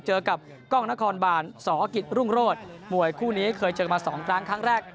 เจอกับกล้องนครบานสอกิจรุ่งโรศมวยคู่นี้เคยเจอมาสองครั้งครั้งแรก